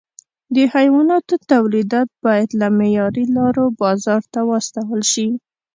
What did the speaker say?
د حیواناتو تولیدات باید له معیاري لارو بازار ته واستول شي.